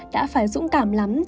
đã phải dũng cảm lắm